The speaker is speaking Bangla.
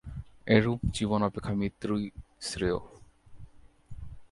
এরূপ জীবন অপেক্ষা মৃত্যুই শ্রেয়ঃ।